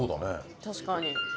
確かに。